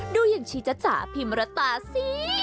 ดูอย่างชีจ๊ะจ๋าพิมรตาสิ